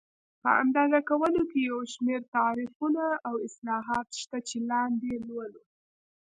په اندازه کولو کې یو شمېر تعریفونه او اصلاحات شته چې لاندې یې لولو.